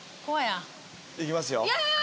いきますよ